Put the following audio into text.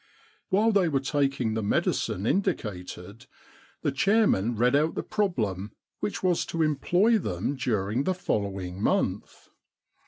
While they were taking the medicine in dicated, the chairman read out the problem which was to employ them during the follow ing month.